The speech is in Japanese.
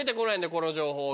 この情報が。